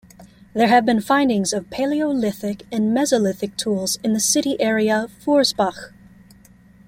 There have been findings of Paleolithic and Mesolithic tools in the city area "Forsbach".